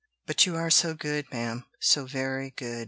"But you are so good, ma'am, so very good!"